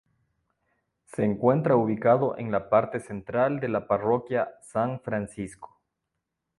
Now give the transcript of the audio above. Se encuentra ubicado en la parte central de la Parroquia San Francisco.